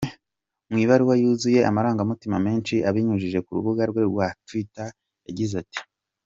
Mu ibaruwa yuzuye amarangamutima menshi abinyujije ku rubuga rwe rwa twita yagize ati:.